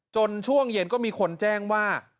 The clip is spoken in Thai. ช่วงเย็นก็มีคนแจ้งว่า